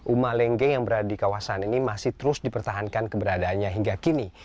uma lengge yang berada di kawasan ini masih terus dipertahankan keberadaannya hingga kini